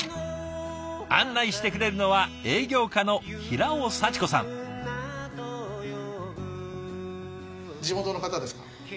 案内してくれるのは地元の方ですか？